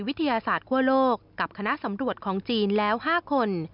วิทยาศาสตร์คั่วโลกกับคณะสำรวจของจีนแล้ว๕คน